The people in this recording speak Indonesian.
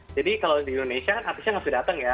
jadi kalau di indonesia artisnya nggak bisa datang ya